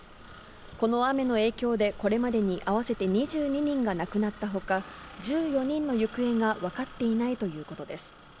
この雨の影響で、これまでに合わせて２２人が亡くなったほか、１４人の行方が分かっていないということです。